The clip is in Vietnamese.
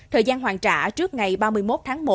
thời gian hoàn trả trước ngày ba mươi một tháng một